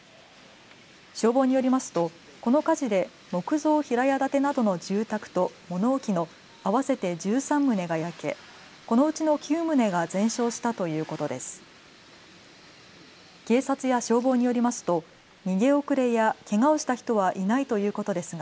消防によりますとこの火事で木造平屋建てなどの住宅と物置の合わせて１３棟が焼けこのうちの９棟が全焼したということです。